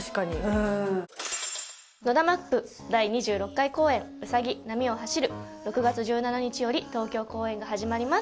ＮＯＤＡ・ＭＡＰ第２６回公演『兎、波を走る』６月１７日より東京公演が始まります。